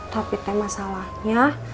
tapi teh masalahnya